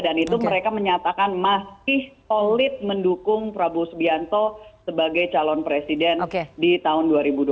dan itu mereka menyatakan masih solid mendukung prabowo subianto sebagai calon presiden di tahun dua ribu dua puluh empat